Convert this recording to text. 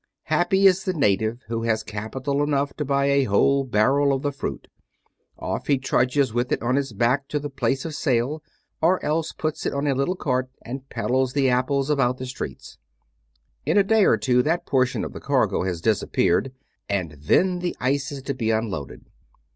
Happy is the native who has capital enough to buy a whole barrel of the fruit. Off he trudges with it on his back to the place of sale, or else puts it on a little cart and peddles the apples about the streets. In a day or two that portion of the cargo has disappeared, and then the ice is to be unloaded.